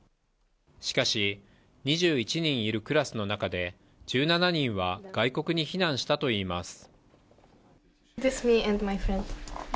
しかし、２１人いるクラスの中で１７人は外国に避難したといいます。